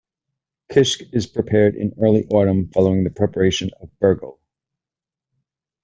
Kishk is prepared in early autumn following the preparation of burghul.